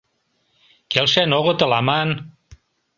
Келшен огытыл аман.